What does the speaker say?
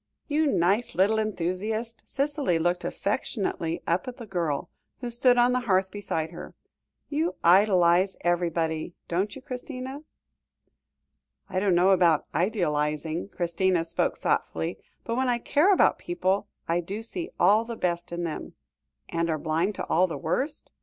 "You nice little enthusiast!" Cicely looked affectionately up at the girl, who stood on the hearth beside her; "you idealise everybody, don't you, Christina?" "I don't know about idealising," Christina spoke thoughtfully, "but, when I care about people, I do see all the best in them " "And are blind to all the worst?